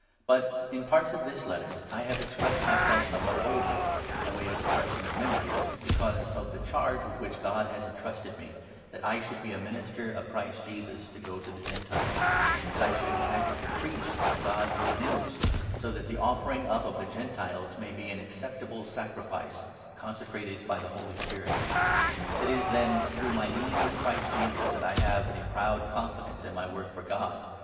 But in parts of this letter I have expressed myself 15 somewhat boldly — by way of refreshing your memories — because of the charge with which God has entrusted me, that 16 I should be a minister of Christ Jesus to go to the Gentiles — that I should act as a priest of God's Good News, so that the offering up of the Gentiles may be an acceptable sacri fice, consecrated by the Holy Spirit. It is, then, through my 17 union with Christ Jesus that I have a proud confidence in my work for God.